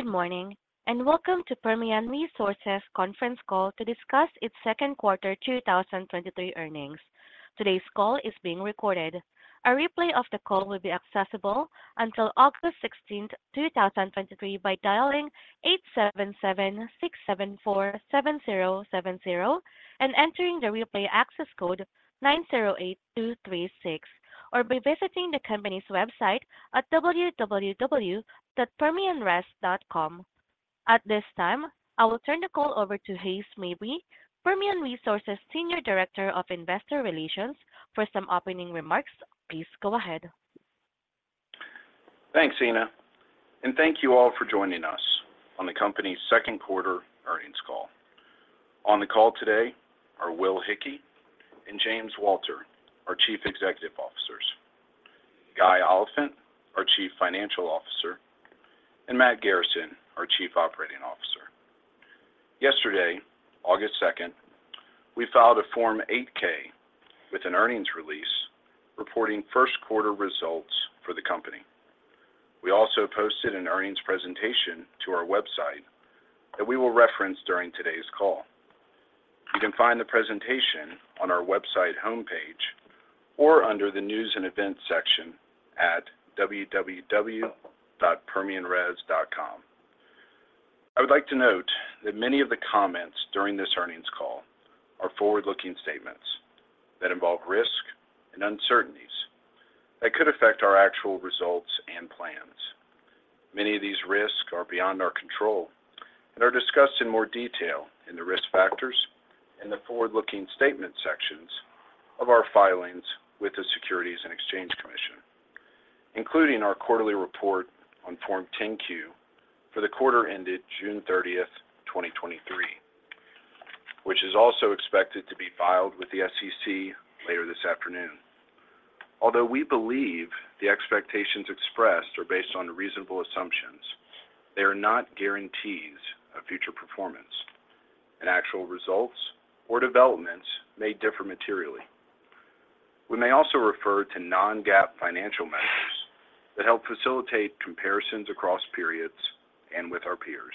Good morning, welcome to Permian Resources conference call to discuss its Q2 2023 earnings. Today's call is being recorded. A replay of the call will be accessible until 16 August 2023, by dialing 877-674-7070 and entering the replay access code 908236, or by visiting the company's website at www.permianres.com. At this time, I will turn the call over to Hays Mabry, Permian Resources Senior Director of Investor Relations, for some opening remarks. Please go ahead. Thanks, Ina. Thank you all for joining us on the company's Q2 earnings call. On the call today are Will Hickey and James Walter, our Chief Executive Officers, Guy Oliphint, our Chief Financial Officer, and Matt Garrison, our Chief Operating Officer. Yesterday, August second, we filed a Form 8-K with an earnings release, reporting Q1 results for the company. We also posted an earnings presentation to our website that we will reference during today's call. You can find the presentation on our website homepage or under the News and Events section at www.permianres.com. I would like to note that many of the comments during this earnings call are forward-looking statements that involve risk and uncertainties that could affect our actual results and plans. Many of these risks are beyond our control and are discussed in more detail in the risk factors in the forward-looking statement sections of our filings with the Securities and Exchange Commission, including our quarterly report on Form 10-Q for the quarter ended 30 June 2023, which is also expected to be filed with the SEC later this afternoon. Although we believe the expectations expressed are based on reasonable assumptions, they are not guarantees of future performance, and actual results or developments may differ materially. We may also refer to non-GAAP financial measures that help facilitate comparisons across periods and with our peers.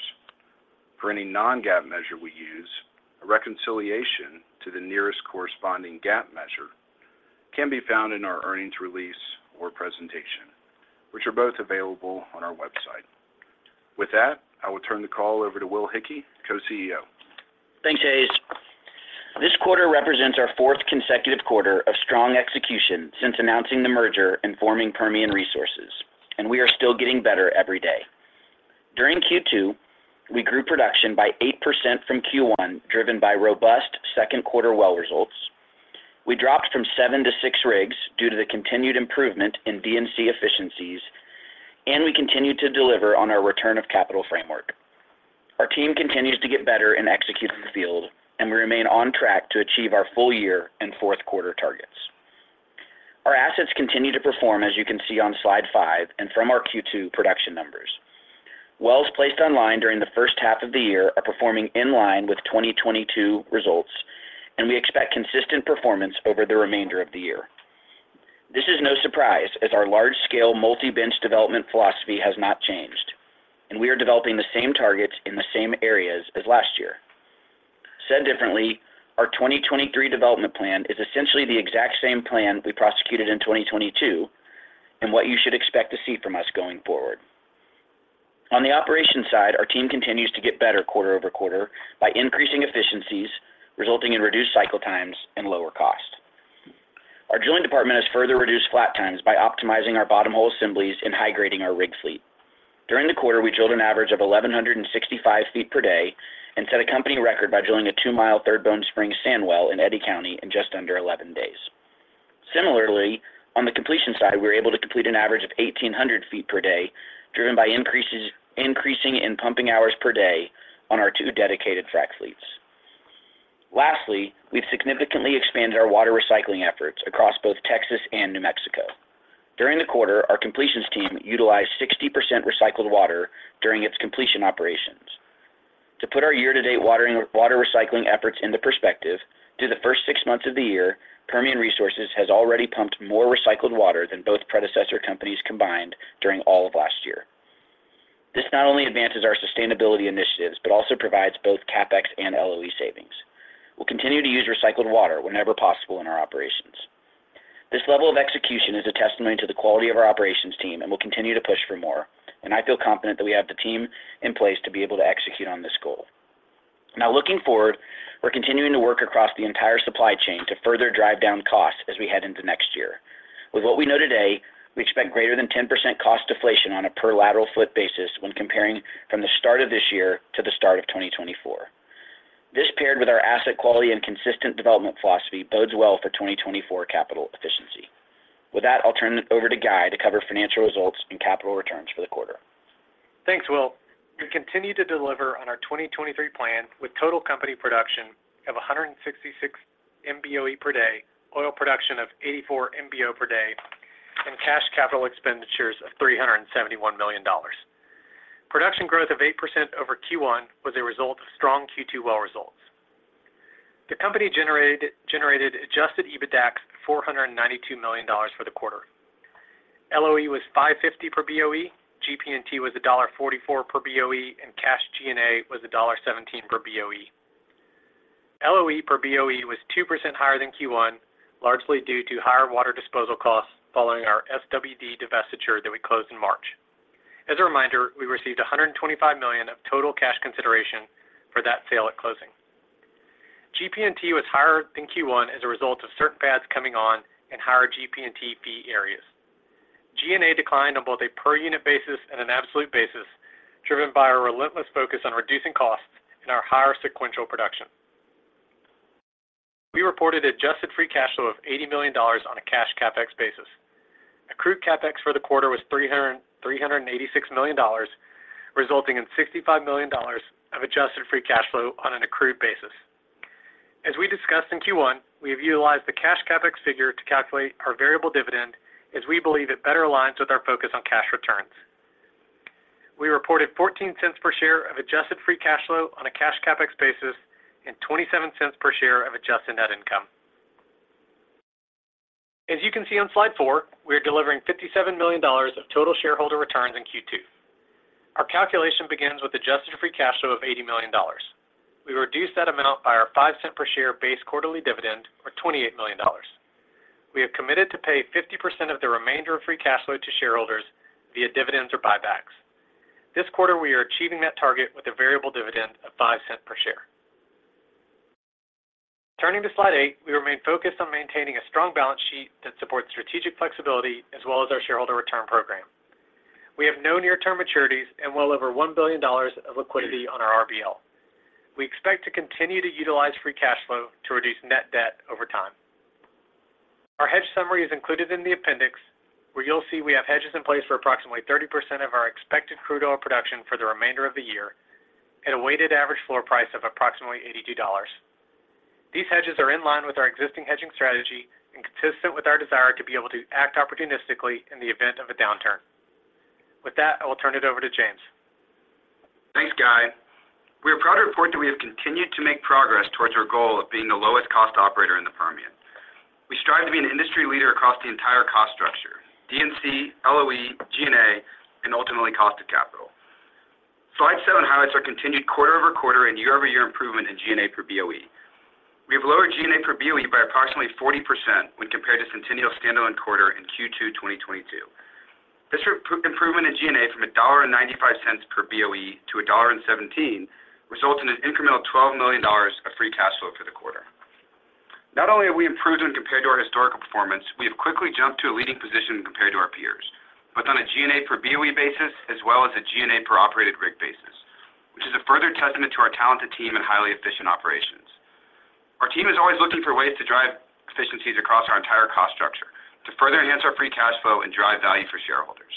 For any non-GAAP measure we use, a reconciliation to the nearest corresponding GAAP measure can be found in our earnings release or presentation, which are both available on our website. With that, I will turn the call over to Will Hickey, Co-CEO. Thanks, Hayes. This quarter represents our fourth consecutive quarter of strong execution since announcing the merger and forming Permian Resources, and we are still getting better every day. During Q2, we grew production by 8% from Q1, driven by robust Q2 well results. We dropped from 7 to 6 rigs due to the continued improvement in D&C efficiencies, and we continued to deliver on our return of capital framework. Our team continues to get better in executing the field, and we remain on track to achieve our full year and Q4 targets. Our assets continue to perform, as you can see on slide five and from our Q2 production numbers. Wells placed online during the first half of the year are performing in line with 2022 results, and we expect consistent performance over the remainder of the year. This is no surprise, as our large-scale multi-bench development philosophy has not changed, and we are developing the same targets in the same areas as last year. Said differently, our 2023 development plan is essentially the exact same plan we prosecuted in 2022 and what you should expect to see from us going forward. On the operation side, our team continues to get better quarter-over-quarter by increasing efficiencies, resulting in reduced cycle times and lower cost. Our drilling department has further reduced flat times by optimizing our bottomhole assemblies and high grading our rig fleet. During the quarter, we drilled an average of 1,165 ft per day and set a company record by drilling a 2 mil Third Bone Spring sand well in Eddy County in just under 11 days. Similarly, on the completion side, we were able to complete an average of 1,800 ft per day, driven by increasing pumping hours per day on our two dedicated frack fleets. Lastly, we've significantly expanded our water recycling efforts across both Texas and New Mexico. During the quarter, our completions team utilized 60% recycled water during its completion operations. To put our year-to-date water recycling efforts into perspective, through the first six months of the year, Permian Resources has already pumped more recycled water than both predecessor companies combined during all of last year. This not only advances our sustainability initiatives, but also provides both CapEx and LOE savings. We'll continue to use recycled water whenever possible in our operations. This level of execution is a testimony to the quality of our operations team and will continue to push for more, and I feel confident that we have the team in place to be able to execute on this goal. Now, looking forward, we're continuing to work across the entire supply chain to further drive down costs as we head into next year. With what we know today, we expect greater than 10% cost deflation on a per lateral foot basis when comparing from the start of this year to the start of 2024. This, paired with our asset quality and consistent development philosophy, bodes well for 2024 capital efficiency. With that, I'll turn it over to Guy to cover financial results and capital returns for the quarter. Thanks, Will. We continue to deliver on our 2023 plan, with total company production of 166 MBOE per day, oil production of 84 MBO per day, and cash capital expenditures of $371 million. Production growth of 8% over Q1 was a result of strong Q2 well results. The company generated adjusted EBITDAX $492 million for the quarter. LOE was $5.50 per BOE, GP&T was $1.44 per BOE, and cash G&A was $1.17 per BOE. LOE per BOE was 2% higher than Q1, largely due to higher water disposal costs following our SWD divestiture that we closed in March. As a reminder, we received $125 million of total cash consideration for that sale at closing. GP&T was higher than Q1 as a result of certain pads coming on and higher GP&T fee areas. G&A declined on both a per unit basis and an absolute basis, driven by our relentless focus on reducing costs and our higher sequential production. We reported adjusted free cash flow of $80 million on a cash CapEx basis. Accrued CapEx for the quarter was $386 million, resulting in $65 million of adjusted free cash flow on an accrued basis. As we discussed in Q1, we have utilized the cash CapEx figure to calculate our variable dividend, as we believe it better aligns with our focus on cash returns. We reported $0.14 per share of adjusted free cash flow on a cash CapEx basis and $0.27 per share of adjusted net income. As you can see on slide four, we are delivering $57 million of total shareholder returns in Q2. Our calculation begins with adjusted free cash flow of $80 million. We reduce that amount by our $0.05 per share base quarterly dividend, or $28 million. We have committed to pay 50% of the remainder of free cash flow to shareholders via dividends or buybacks. This quarter, we are achieving that target with a variable dividend of $0.05 per share. Turning to slide eight, we remain focused on maintaining a strong balance sheet that supports strategic flexibility as well as our shareholder return program. We have no near-term maturities and well over $1 billion of liquidity on our RBL. We expect to continue to utilize free cash flow to reduce net debt over time. Our hedge summary is included in the appendix, where you'll see we have hedges in place for approximately 30% of our expected crude oil production for the remainder of the year at a weighted average floor price of approximately $82. These hedges are in line with our existing hedging strategy and consistent with our desire to be able to act opportunistically in the event of a downturn. With that, I will turn it over to James. Thanks, Guy. We are proud to report that we have continued to make progress towards our goal of being the lowest cost operator in the Permian. We strive to be an industry leader across the entire cost structure, D&C, LOE, G&A, and ultimately cost of capital. Slide seven highlights our continued quarter-over-quarter and year-over-year improvement in G&A per BOE. We have lowered G&A per BOE by approximately 40% when compared to Centennial standalone quarter in Q2, 2022. This improvement in G&A from $1.95 per BOE to $1.17, results in an incremental $12 million of free cash flow for the quarter. Not only have we improved when compared to our historical performance, we have quickly jumped to a leading position compared to our peers, both on a G&A per BOE basis as well as a G&A per operated rig basis, which is a further testament to our talented team and highly efficient operations. Our team is always looking for ways to drive efficiencies across our entire cost structure to further enhance our free cash flow and drive value for shareholders.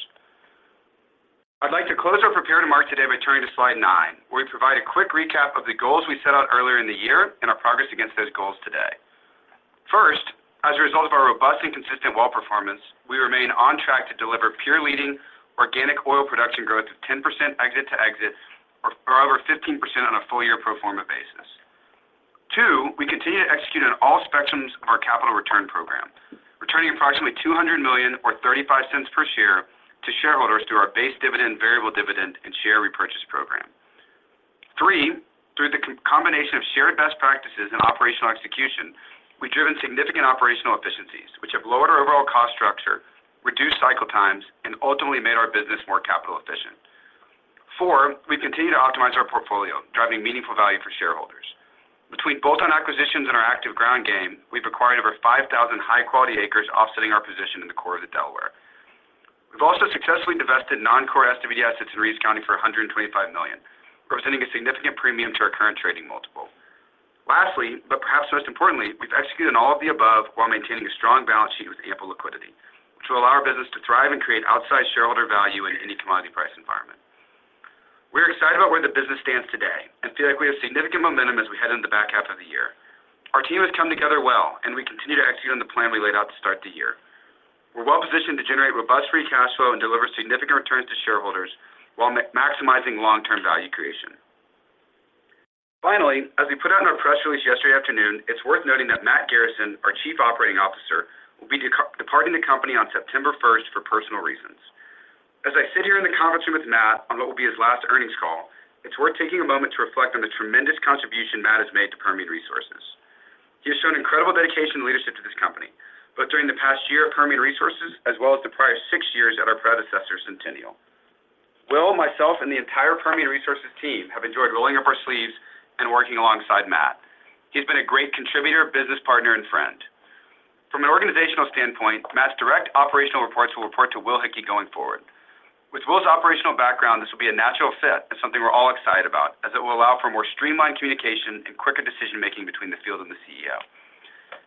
I'd like to close our prepared remarks today by turning to slide nine, where we provide a quick recap of the goals we set out earlier in the year and our progress against those goals today. First, as a result of our robust and consistent well performance, we remain on track to deliver peer-leading organic oil production growth of 10% exit to exit, or over 15% on a full year pro forma basis. Two, we continue to execute on all spectrums of our capital return program, returning approximately $200 million or $0.35 per share to shareholders through our base dividend, variable dividend, and share repurchase program. Three, through the combination of shared best practices and operational execution, we've driven significant operational efficiencies, which have lowered our overall cost structure, reduced cycle times, and ultimately made our business more capital efficient. Four, we've continued to optimize our portfolio, driving meaningful value for shareholders. Between bolt-on acquisitions and our active ground game, we've acquired over 5,000 high-quality acres, offsetting our position in the core of the Delaware. We've also successfully divested non-core SWD assets in Reeves County for $125 million, representing a significant premium to our current trading multiple. Lastly, perhaps most importantly, we've executed on all of the above while maintaining a strong balance sheet with ample liquidity to allow our business to thrive and create outsized shareholder value in any commodity price environment. We are excited about where the business stands today and feel like we have significant momentum as we head into the back half of the year. Our team has come together well, and we continue to execute on the plan we laid out to start the year. We're well positioned to generate robust free cash flow and deliver significant returns to shareholders while maximizing long-term value creation. As we put out in our press release yesterday afternoon, it's worth noting that Matt Garrison, our Chief Operating Officer, will be departing the company on September 1st for personal reasons. As I sit here in the conference room with Matt on what will be his last earnings call, it's worth taking a moment to reflect on the tremendous contribution Matt has made to Permian Resources. He has shown incredible dedication and leadership to this company, both during the past year at Permian Resources, as well as the prior six years at our predecessor, Centennial. Will, myself, and the entire Permian Resources team have enjoyed rolling up our sleeves and working alongside Matt. He's been a great contributor, business partner, and friend. From an organizational standpoint, Matt's direct operational reports will report to Will Hickey going forward. With Will's operational background, this will be a natural fit and something we're all excited about, as it will allow for more streamlined communication and quicker decision-making between the field and the CEO.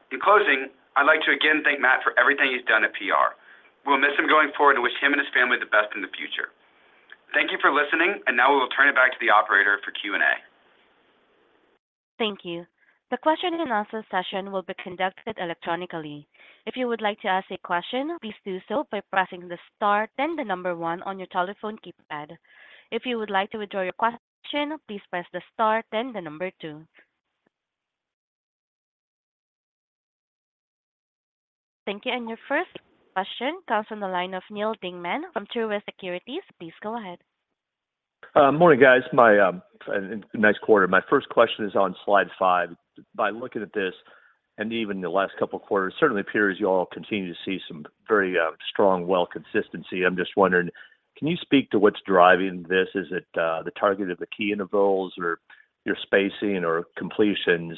In closing, I'd like to again thank Matt for everything he's done at PR. We'll miss him going forward and wish him and his family the best in the future. Thank you for listening, and now we will turn it back to the operator for Q&A. Thank you. The question and answer session will be conducted electronically. If you would like to ask a question, please do so by pressing the star, then the one on your telephone keypad. If you would like to withdraw your question, please press the star, then the two.... Thank you. Your first question comes from the line of Neal Dingman from Truist Securities. Please go ahead. Morning, guys. My, nice quarter. My first question is on slide five. By looking at this, and even the last couple of quarters, it certainly appears you all continue to see some very strong well consistency. I'm just wondering, can you speak to what's driving this? Is it the target of the key intervals, or your spacing or completions?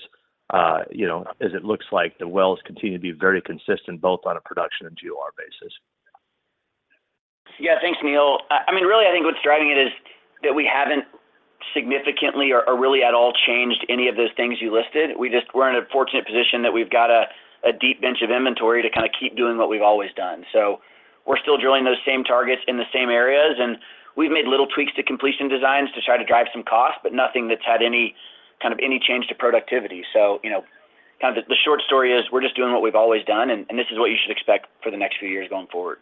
You know, as it looks like the wells continue to be very consistent, both on a production and GOR basis. Yeah. Thanks, Neal. I mean, really, I think what's driving it is that we haven't significantly or, or really at all changed any of those things you listed. We're in a fortunate position that we've got a deep bench of inventory to kind of keep doing what we've always done. We're still drilling those same targets in the same areas, and we've made little tweaks to completion designs to try to drive some cost, but nothing that's had any, kind of, any change to productivity. You know, kind of the short story is, we're just doing what we've always done, and this is what you should expect for the next few years going forward.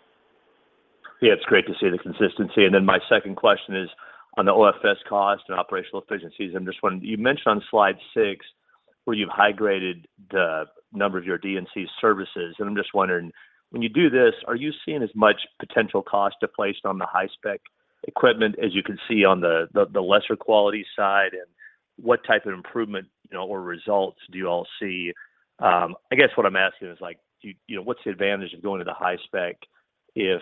Yeah, it's great to see the consistency. My second question is on the OFS cost and operational efficiencies. I'm just wondering, you mentioned on slide six, where you've high-graded the number of your D&C services, and I'm just wondering, when you do this, are you seeing as much potential cost deflation on the high-spec equipment as you can see on the lesser quality side? What type of improvement, you know, or results do you all see? I guess what I'm asking is like, you know, what's the advantage of going to the high spec if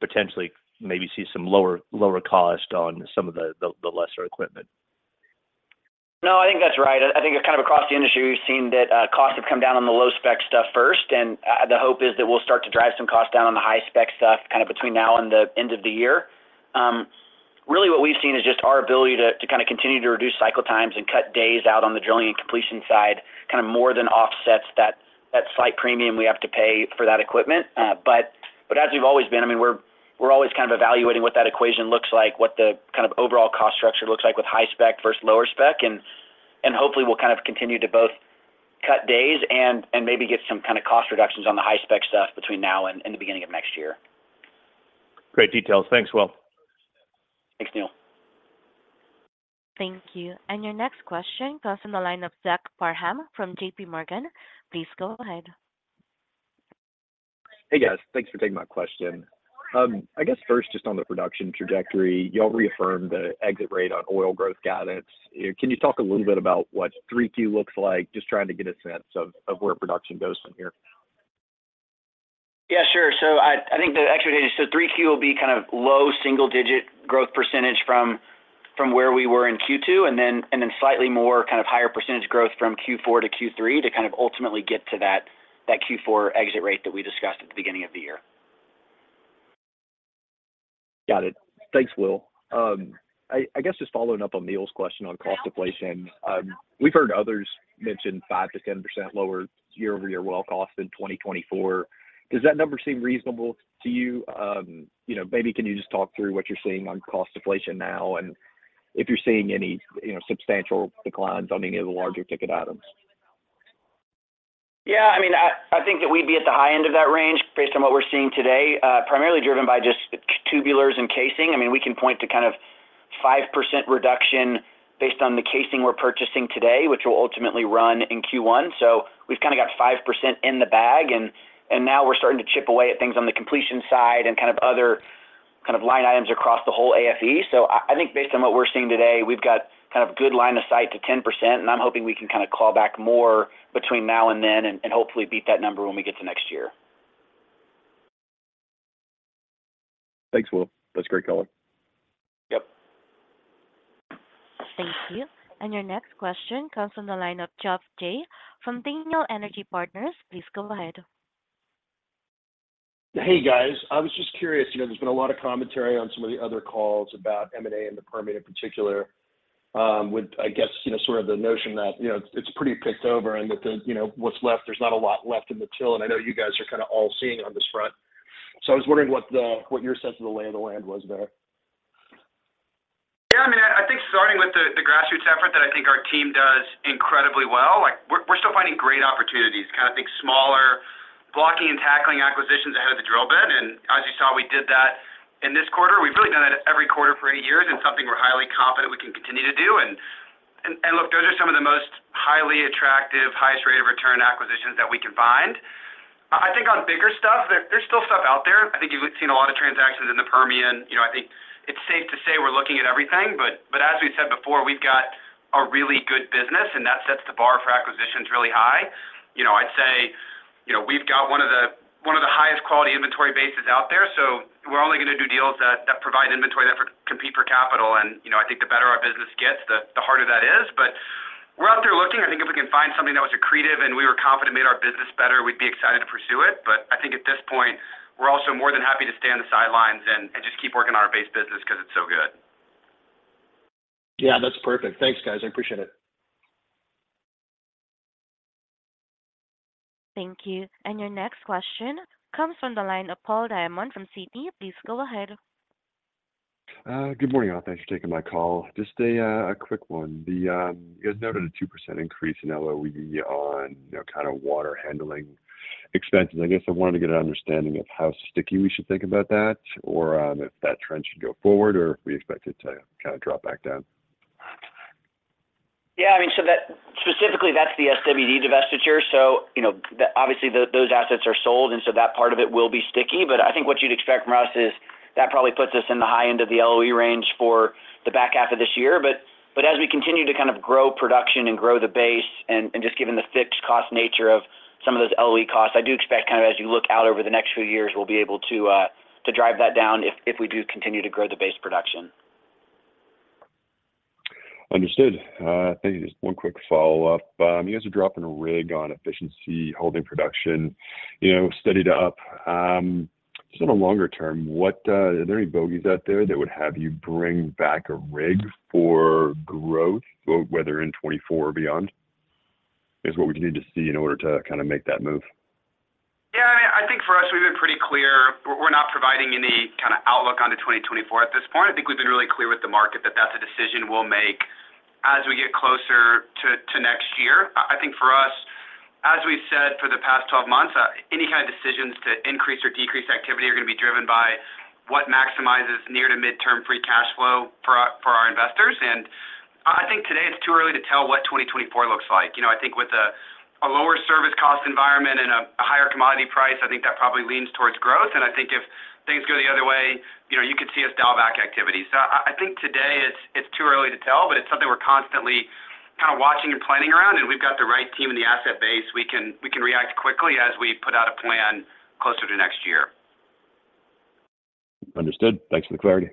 potentially maybe see some lower, lower cost on some of the lesser equipment? No, I think that's right. I, I think it's kind of across the industry, we've seen that costs have come down on the low-spec stuff first, and the hope is that we'll start to drive some costs down on the high-spec stuff, kind of between now and the end of the year. Really, what we've seen is just our ability to, to kind of continue to reduce cycle times and cut days out on the drilling and completion side, kind of more than offsets that, that slight premium we have to pay for that equipment. But as we've always been, I mean, we're, we're always kind of evaluating what that equation looks like, what the kind of overall cost structure looks like with high spec versus lower spec. Hopefully we'll kind of continue to both cut days and, and maybe get some kind of cost reductions on the high spec stuff between now and, and the beginning of next year. Great details. Thanks, Will. Thanks, Neal. Thank you. Your next question comes from the line of Zach Parham from JPMorgan. Please go ahead. Hey, guys. Thanks for taking my question. I guess first, just on the production trajectory, you all reaffirmed the exit rate on oil growth guidance. Can you talk a little bit about what Q3 looks like? Just trying to get a sense of, of where production goes from here. Yeah, sure. I, I think the exit rate is Q3 will be kind of low single-digit growth % from, from where we were in Q2, and then, and then slightly more kind of higher % growth from Q4 to Q3, to kind of ultimately get to that, that Q4 exit rate that we discussed at the beginning of the year. Got it. Thanks, Will. I, I guess just following up on Neal's question on cost deflation. We've heard others mention 5%-10% lower year-over-year well cost in 2024. Does that number seem reasonable to you? you know, maybe can you just talk through what you're seeing on cost deflation now, and if you're seeing any, you know, substantial declines on any of the larger ticket items? Yeah, I mean, I, I think that we'd be at the high end of that range based on what we're seeing today, primarily driven by just tubulars and casing. I mean, we can point to kind of 5% reduction based on the casing we're purchasing today, which will ultimately run in Q1. We've kind of got 5% in the bag, now we're starting to chip away at things on the completion side and kind of other kind of line items across the whole AFE. I, I think based on what we're seeing today, we've got kind of good line of sight to 10%, I'm hoping we can kind of claw back more between now and then and, and hopefully beat that number when we get to next year. Thanks, Will. That's great color. Yep. Thank you. Your next question comes from the line of Geoff Jay from Daniel Energy Partners. Please go ahead. Hey, guys. I was just curious, you know, there's been a lot of commentary on some of the other calls about M&A and the Permian in particular, with, I guess, you know, sort of the notion that, you know, it's pretty picked over and that the, you know, what's left, there's not a lot left in the till, and I know you guys are kind of all-seeing on this front. I was wondering what your sense of the lay of the land was there. Yeah, I mean, I, I think starting with the, the grassroots effort that I think our team does incredibly well, like, we're, we're still finding great opportunities, kind of think smaller, blocking and tackling acquisitions ahead of the drill bit. As you saw, we did that in this quarter. We've really done that every quarter for eight years, and something we're highly confident we can continue to do. And, and look, those are some of the most highly attractive, highest rate of return acquisitions that we can find. I think on bigger stuff, there, there's still stuff out there. I think you've seen a lot of transactions in the Permian. You know, I think it's safe to say we're looking at everything, but, but as we've said before, we've got a really good business, and that sets the bar for acquisitions really high. You know, I'd say, you know, we've got one of the, one of the highest quality inventory bases out there, so we're only going to do deals that, that provide inventory, that compete for capital. You know, I think the better our business gets, the, the harder that is. We're out there looking. I think if we can find something that was accretive and we were confident made our business better, we'd be excited to pursue it. I think at this point, we're also more than happy to stay on the sidelines and, and just keep working on our base business because it's so good. Yeah, that's perfect. Thanks, guys. I appreciate it. Thank you. Your next question comes from the line of Paul Diamond from Citi. Please go ahead. Good morning, all. Thanks for taking my call. Just a quick one. The, you guys noted a 2% increase in LOE on, you know, kind of water handling expenses. I guess I wanted to get an understanding of how sticky we should think about that, or, if that trend should go forward, or if we expect it to kind of drop back down? Yeah, I mean, that specifically, that's the SWD divestiture. You know, the, obviously, those, those assets are sold, and so that part of it will be sticky. I think what you'd expect from us is that probably puts us in the high end of the LOE range for the back half of this year. As we continue to kind of grow production and grow the base and, and just given the fixed cost nature of some of those LOE costs, I do expect kind of as you look out over the next few years, we'll be able to drive that down if, if we do continue to grow the base production. Understood. Thank you. Just one quick follow-up. You guys are dropping a rig on efficiency, holding production, you know, steadied up. Just on a longer term, what are there any bogeys out there that would have you bring back a rig for growth, whether in 2024 or beyond? What would you need to see in order to kind of make that move? Yeah, I think for us, we've been pretty clear. We're not providing any kind of outlook onto 2024 at this point. I think we've been really clear with the market that that's a decision we'll make as we get closer to next year. I think for us, as we've said for the past 12 months, any kind of decisions to increase or decrease activity are going to be driven by what maximizes near to midterm free cash flow for our investors. I think today it's too early to tell what 2024 looks like. You know, I think with a lower service cost environment and a higher commodity price, I think that probably leans towards growth. I think if things go the other way, you know, you could see us dial back activity. I, I think today it's, it's too early to tell, but it's something we're constantly kind of watching and planning around, and we've got the right team and the asset base. We can, we can react quickly as we put out a plan closer to next year. Understood. Thanks for the clarity.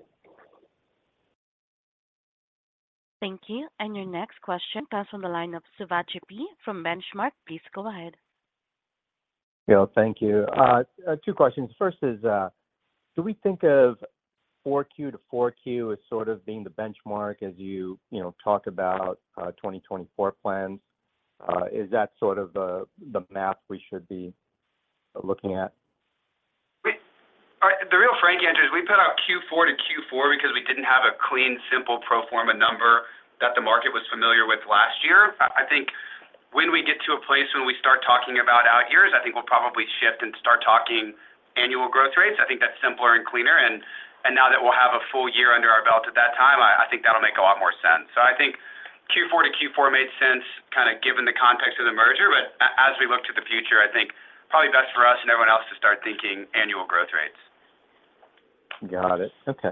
Thank you. Your next question comes on the line of Sivaji Pai from Benchmark. Please go ahead. Yeah, thank you. Two questions. First is, do we think of Q4 to Q4 as sort of being the benchmark as you, you know, talk about, 2024 plans? Is that sort of the, the map we should be looking at? All right, the real frank answer is we put out Q4 to Q4 because we didn't have a clean, simple pro forma number that the market was familiar with last year. I think when we get to a place when we start talking about out years, I think we'll probably shift and start talking annual growth rates. I think that's simpler and cleaner, and now that we'll have a full year under our belt at that time, I think that'll make a lot more sense. I think Q4 to Q4 made sense, kind of given the context of the merger, but as we look to the future, I think probably best for us and everyone else to start thinking annual growth rates. Got it. Okay.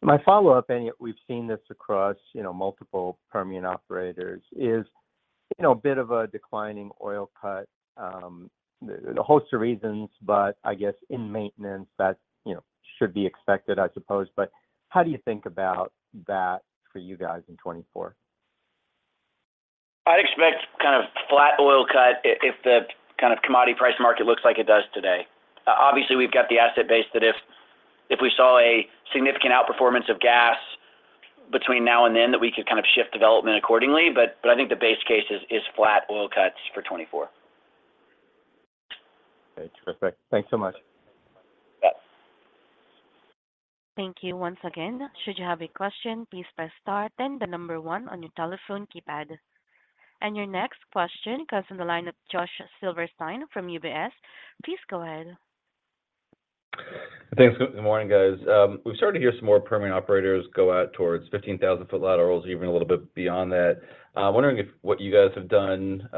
My follow-up. We've seen this across, you know, multiple Permian operators, is, you know, a bit of a declining oil cut, a host of reasons, I guess in maintenance, that, you know, should be expected, I suppose. How do you think about that for you guys in 2024? I'd expect kind of flat oil cut if the kind of commodity price market looks like it does today. Obviously, we've got the asset base that if, if we saw a significant outperformance of gas between now and then, that we could kind of shift development accordingly, but I think the base case is, is flat oil cuts for 2024. Okay, terrific. Thanks so much. Yes. Thank you once again. Should you have a question, please press star, then one on your telephone keypad. Your next question comes from the line of Josh Silverstein from UBS. Please go ahead. Thanks. Good morning, guys. We've started to hear some more Permian operators go out towards 15,000 ft laterals, even a little bit beyond that. Wondering if what you guys have done,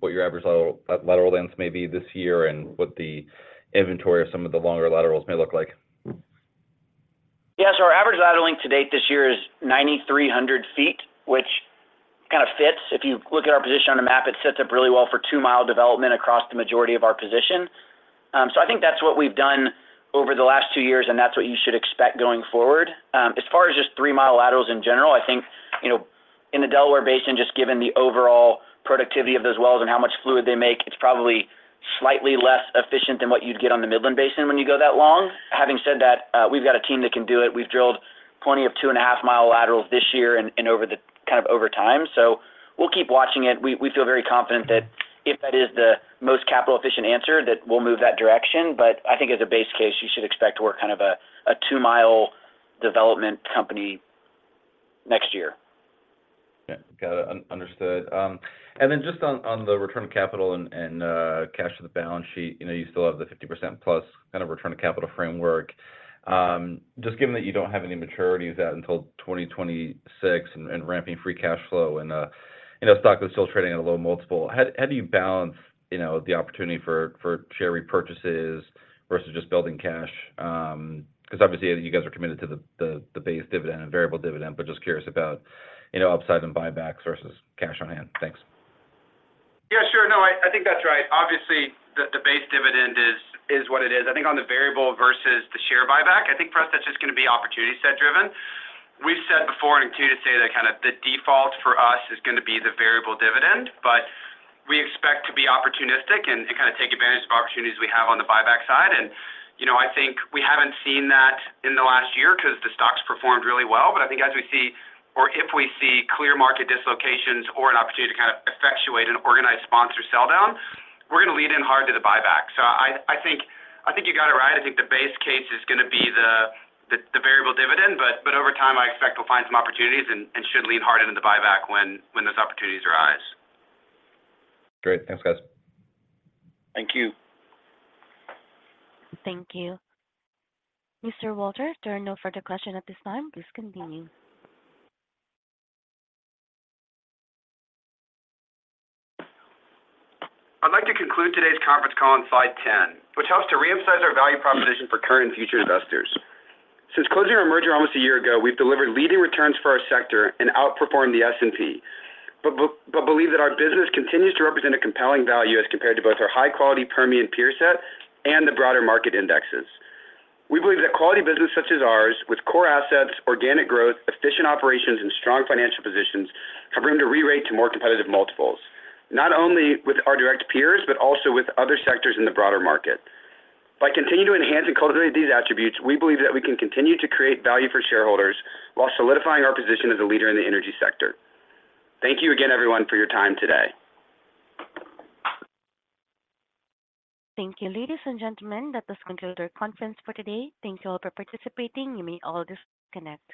what your average lateral, lateral lengths may be this year, and what the inventory of some of the longer laterals may look like? Yeah, our average lateral length to date this year is 9,300 ft, which kind of fits. If you look at our position on the map, it sets up really well for 2 mi development across the majority of our position. I think that's what we've done over the last two years, and that's what you should expect going forward. As far as just 3 mil laterals in general, I think, you know, in the Delaware Basin, just given the overall productivity of those wells and how much fluid they make, it's probably slightly less efficient than what you'd get on the Midland Basin when you go that long. Having said that, we've got a team that can do it. We've drilled plenty of two-and-a-half-mile laterals this year and, and over the kind of over time, so we'll keep watching it. We feel very confident that if that is the most capital efficient answer, that we'll move that direction. I think as a base case, you should expect we're kind of a, a two-mile development company next year. Yeah. Got it. Understood. And then just on, on the return of capital and, and cash to the balance sheet, you know, you still have the 50%+ kind of return of capital framework. Just given that you don't have any maturities out until 2026 and, and ramping free cash flow, and, you know, stock is still trading at a low multiple, how, how do you balance, you know, the opportunity for, for share repurchases versus just building cash? Because obviously, you guys are committed to the, the, the base dividend and variable dividend, but just curious about, you know, upside and buybacks versus cash on hand. Thanks. Yeah, sure. No, I, I think that's right. Obviously, the, the base dividend is, is what it is. I think on the variable versus the share buyback, I think for us, that's just going to be opportunity set driven. We've said before, and continue to say that kind of the default for us is going to be the variable dividend, but we expect to be opportunistic and, and kind of take advantage of opportunities we have on the buyback side. You know, I think we haven't seen that in the last year because the stock's performed really well. I think as we see or if we see clear market dislocations or an opportunity to kind of effectuate an organized sponsor sell-down, we're going to lean in hard to the buyback. I, I think, I think you got it right. I think the base case is going to be the variable dividend, but over time, I expect we'll find some opportunities and should lean harder into the buyback when those opportunities arise. Great. Thanks, guys. Thank you. Thank you. Mr. Walter, there are no further questions at this time. Please continue. I'd like to conclude today's conference call on slide 10, which helps to reemphasize our value proposition for current and future investors. Since closing our merger almost a year ago, we've delivered leading returns for our sector and outperformed the S&P. Believe that our business continues to represent a compelling value as compared to both our high-quality Permian peer set and the broader market indexes. We believe that quality business such as ours, with core assets, organic growth, efficient operations, and strong financial positions, have room to rerate to more competitive multiples, not only with our direct peers, but also with other sectors in the broader market. By continuing to enhance and cultivate these attributes, we believe that we can continue to create value for shareholders while solidifying our position as a leader in the energy sector. Thank you again, everyone, for your time today. Thank you, ladies and gentlemen. That does conclude our conference for today. Thank you all for participating. You may all disconnect.